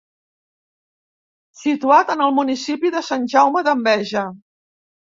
Situat en el municipi de Sant Jaume d'Enveja.